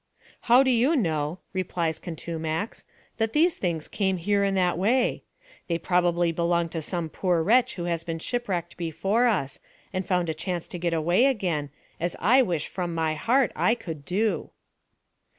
" How do you know," replies Contumax, " that these things came here in that way ? They probably belong to some pooi wretch who has been shipwrecked before us, and found a chance to get away again, as I wish from my heart 1 could do."